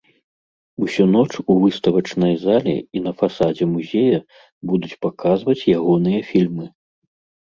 Усю ноч у выставачнай зале і на фасадзе музея будуць паказваць ягоныя фільмы.